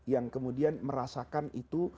yang kemudian merasakan itu